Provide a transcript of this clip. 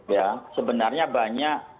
ya sebenarnya banyak